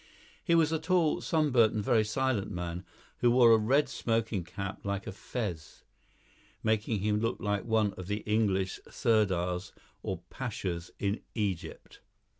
He was a tall, sunburnt, and very silent man, who wore a red smoking cap like a fez, making him look like one of the English Sirdars or Pashas in Egypt.